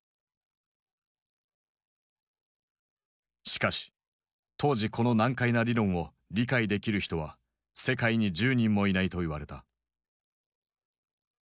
しかし当時この難解な理論を理解できる人は世界に１０人もいないと言われた。